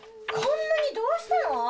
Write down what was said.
こんなにどうしたの？